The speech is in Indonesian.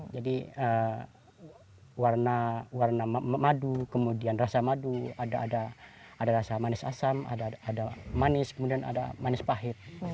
jadi warna madu kemudian rasa madu ada rasa manis asam ada manis kemudian ada manis pahit